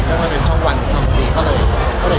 แม้เอาเป็นช่องวันซึ่งเค้าเลยทำได้